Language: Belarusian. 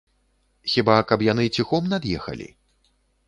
Хіба каб яны ціхом над'ехалі?